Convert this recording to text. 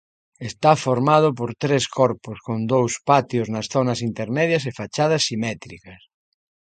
Está formado por tres corpos con dous patios nas zonas intermedias e fachadas simétricas.